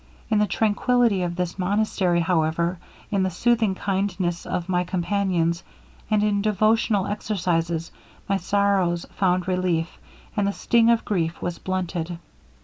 In the tranquillity of this monastery, however, in the soothing kindness of my companions, and in devotional exercises, my sorrows found relief, and the sting of grief was blunted.